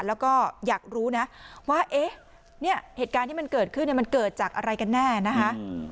แล้วก็อยากรู้นะว่าเอ๊ะเนี่ยเหตุการณ์ที่มันเกิดขึ้นมันเกิดจากอะไรกันแน่นะคะ